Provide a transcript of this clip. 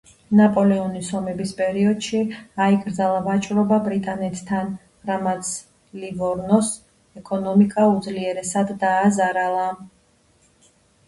ნაპოლეონის ომების პერიოდში, აიკრძალა ვაჭრობა ბრიტანეთთან, რამაც ლივორნოს ეკონომიკა უძლიერესად დააზარალა.